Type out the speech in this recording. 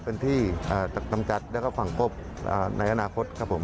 เป็นที่กำจัดแล้วก็ฝั่งพบในอนาคตครับผม